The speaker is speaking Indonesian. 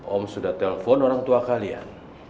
om sudah telpon orang tua kalian